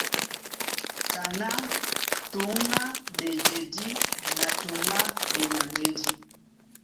Kaná tǔŋ á ɓejedí na tǔŋ á ɓenaŋgédí.